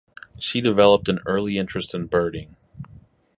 She developed an early interest in birding.